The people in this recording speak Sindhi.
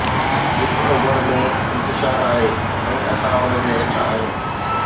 وچ اوڀر ۾ انتشار آهي ۽ اسان ان جي هيٺان آهيون.